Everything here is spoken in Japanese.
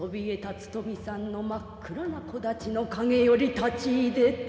富山の真っ暗な木立の陰より立ちいでて。